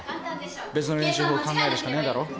別の練習法を考えるしかねえだろ。